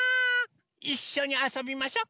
いっしょにあそびましょ。